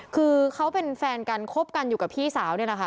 คือเขาเป็นแฟนกันคบกันอยู่กับพี่สาวเนี่ยนะคะ